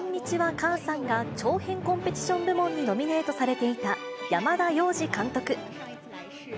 母さんが、長編コンペティション部門にノミネートされていた山田洋次監督。